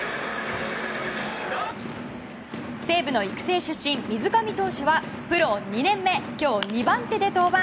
西武の育成出身、水上投手はプロ２年目今日２番手で登板。